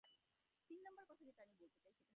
তিনি এখনো নোটিস পান নি।